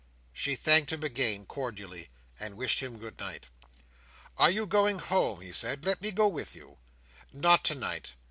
She thanked him again, cordially, and wished him good night. "Are you going home?" he said. "Let me go with you." "Not tonight.